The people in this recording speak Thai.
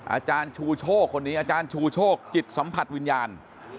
อาจารย์ชูโชคคนนี้อาจารย์ชูโชคจิตสัมผัสวิญญาณ